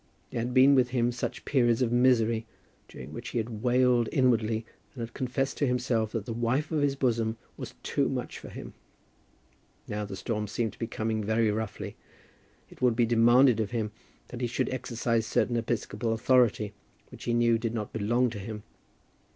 There had been with him such periods of misery, during which he had wailed inwardly and had confessed to himself that the wife of his bosom was too much for him. Now the storm seemed to be coming very roughly. It would be demanded of him that he should exercise certain episcopal authority which he knew did not belong to him.